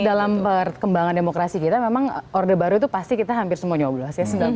dalam perkembangan demokrasi kita memang orde baru itu pasti kita hampir semua nyoblos ya